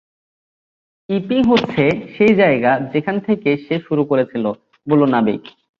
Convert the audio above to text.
Epping হচ্ছে সেই জায়গা যেখান থেকে সে শুরু করেছিল, বলল নাবিক।